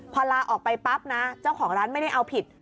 พอลาออกไปปั๊บนะเจ้าของร้านไม่ได้เอาผิด